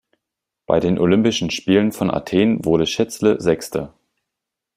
Bei den Olympischen Spielen von Athen wurde Schätzle Sechste.